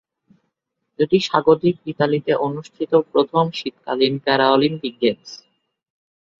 এটি স্বাগতিক ইতালিতে অনুষ্ঠিত প্রথম শীতকালীন প্যারালিম্পিক গেমস।